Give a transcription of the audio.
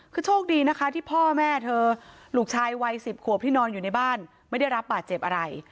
คือโชคดีนะคะที่พ่อแม่เธอลูกชายวัย๑๐ขวบที่นอนอยู่ในบ้านไม่ได้รับบาดเจ็บอะไร